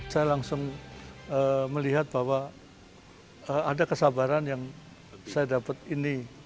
saya langsung melihat bahwa ada kesabaran yang saya dapat ini